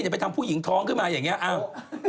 ไปทำผู้หญิงท้องขึ้นมาอย่างนี้